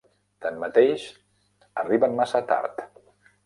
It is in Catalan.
Tanmateix, arriben massa tard.